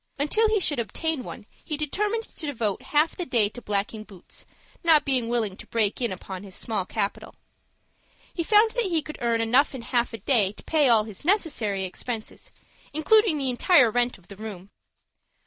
Until he should obtain one he determined to devote half the day to blacking boots, not being willing to break in upon his small capital. He found that he could earn enough in half a day to pay all his necessary expenses, including the entire rent of the room.